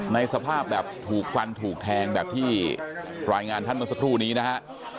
สภาพแบบถูกฟันถูกแทงแบบที่รายงานท่านเมื่อสักครู่นี้นะฮะ